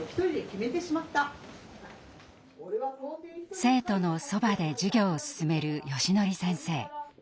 生徒のそばで授業を進めるよしのり先生。